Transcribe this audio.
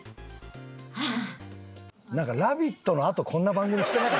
なんか『ラヴィット！』のあとこんな番組してなかった？